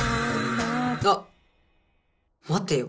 あっ待てよ。